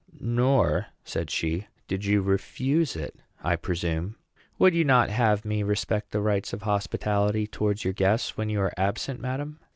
"Nor," said she, "did you refuse it, I presume." "Would you not have me respect the rights of hospitality towards your guests when you are absent, madam?"